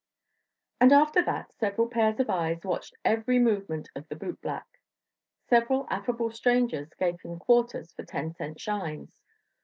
And after that several pairs of eyes watched every movement of the boot black. Several affable strangers gave him quarters for ten cent shines.